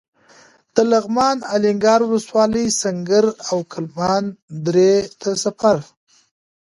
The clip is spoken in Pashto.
د لغمان الینګار ولسوالۍ سنګر او کلمان درې ته سفر.